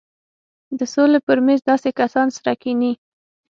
د سولې پر مېز داسې کسان سره کښېني.